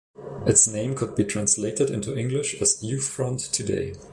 Its name could be translated into English as "Youth Front Today".